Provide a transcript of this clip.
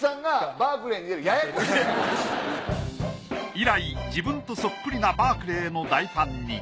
以来自分とそっくりなバークレーの大ファンに。